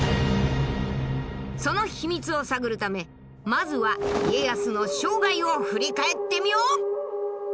その秘密を探るためまずは家康の生涯を振り返ってみよう。